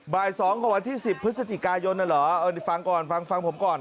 บ่าย๒ของวันที่๑๐พฤศจิกายนน่ะเหรอเออนี่ฟังก่อนฟังฟังผมก่อน